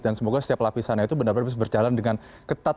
dan semoga setiap lapisannya itu benar benar bisa berjalan dengan ketat